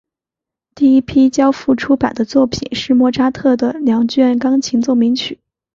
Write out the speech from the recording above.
第一批交付出版的作品是莫扎特的两卷钢琴奏鸣曲。